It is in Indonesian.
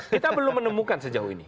kita belum menemukan sejauh ini